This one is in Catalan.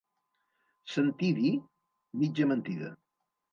Sentir dir? Mitja mentida.